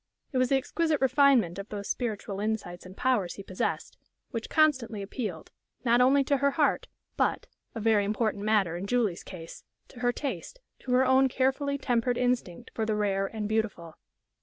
It was the exquisite refinement of those spiritual insights and powers he possessed which constantly appealed, not only to her heart, but a very important matter in Julie's case to her taste, to her own carefully tempered instinct for the rare and beautiful.